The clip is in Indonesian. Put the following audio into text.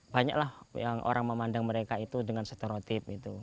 banyaklah yang orang memandang mereka itu dengan stereotip gitu